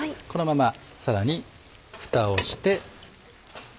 このままさらにフタをして。